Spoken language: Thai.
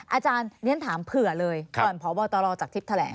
อาจารย์เรียนถามเผื่อเลยก่อนพอว่าต้องรอจากทริปแทรง